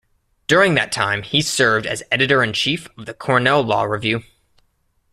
During that time, he served as Editor-in-Chief of the Cornell Law Review.